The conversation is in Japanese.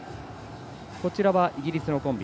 こちらはイギリスのコンビ。